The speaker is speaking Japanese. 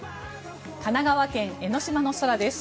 神奈川県・江の島の空です。